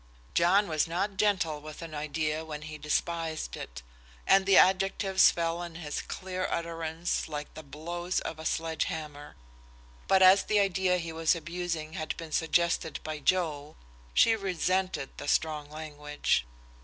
John was not gentle with an idea when he despised it, and the adjectives fell in his clear utterance like the blows of a sledge hammer. But as the idea he was abusing had been suggested by Joe, she resented the strong language.